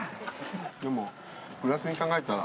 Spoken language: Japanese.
でもプラスに考えたら。